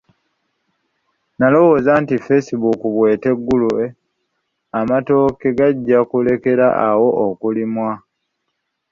Nalowooza nti facebook bweteggulwe amatooke gajja kulekera awo okulimwa.